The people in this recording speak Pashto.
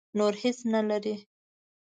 نور هېڅ نه لري.